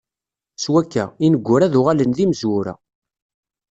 S wakka, ineggura ad uɣalen d imezwura.